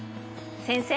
先生